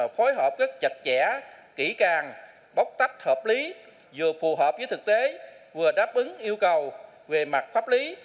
phối hợp rất chặt chẽ kỹ càng bóc tách hợp lý vừa phù hợp với thực tế vừa đáp ứng yêu cầu về mặt pháp lý